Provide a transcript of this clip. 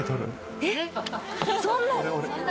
えっ⁉そんな。